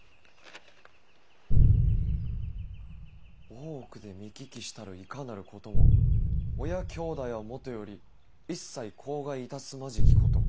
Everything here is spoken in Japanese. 大奥で見聞きしたるいかなることも親兄弟はもとより一切口外いたすまじきこと。